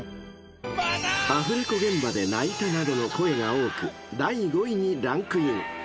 ［アフレコ現場で泣いたなどの声が多く第５位にランクイン］